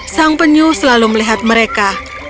sang penyu selalu melihat mereka